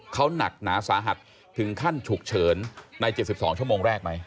เขาหนักหนาสาหัสถึงขั้นฉุกเฉินใน๗๒ชั่วโมงแรกไหม